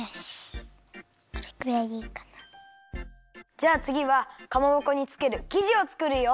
じゃあつぎはかまぼこにつけるきじをつくるよ！